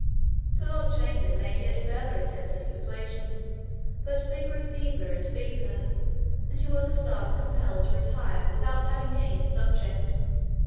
The lord chamberlain made yet further attempts at persuasion; but they grew feebler and feebler, and he was at last compelled to retire without having gained his object.